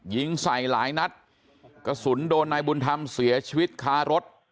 ยิงใส่หลายนัดกระสุนโดนนายบุญธรรมเสียชีวิตคารถ